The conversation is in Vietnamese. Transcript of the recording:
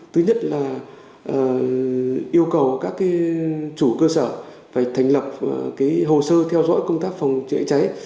thứ nhất là yêu cầu các chủ cơ sở phải thành lập hồ sơ theo dõi công tác phòng cháy cháy